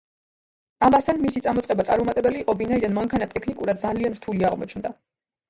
ამასთან, მისი წამოწყება წარუმატებელი იყო, ვინაიდან მანქანა ტექნიკურად ძალიან რთული აღმოჩნდა.